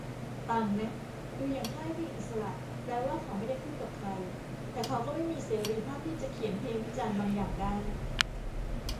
ต่างนะ ดูอย่างค่ายเพลงอิสระ แปลว่าเขาไม่ได้ขึ้นกับใคร แต่เขาก็ไม่มีเสรีภาพที่จะเขียนเพลงวิจารณ์บางอย่างได้